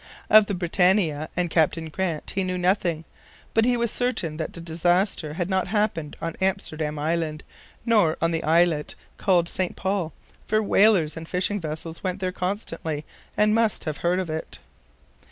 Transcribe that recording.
Of the BRITANNIA and Captain Grant he knew nothing, but he was certain that the disaster had not happened on Amsterdam Island, nor on the islet called St. Paul, for whalers and fishing vessels went there constantly, and must have heard of it.